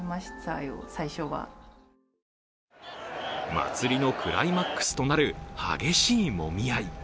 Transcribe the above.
祭りのクライマックスとなる激しいもみ合い。